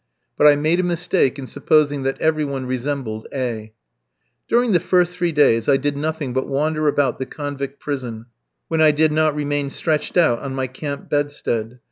But I made a mistake in supposing that every one resembled A f. During the first three days I did nothing but wander about the convict prison, when I did not remain stretched out on my camp bedstead.